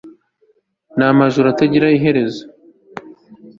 namajoro atagira iherezo